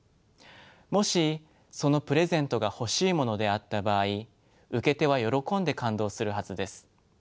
もしそのプレゼントが欲しいものであった場合受け手は喜んで感動するはずです。